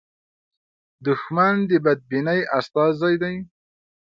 دښمن د بدبینۍ استازی دی